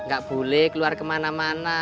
gak boleh keluar kemana mana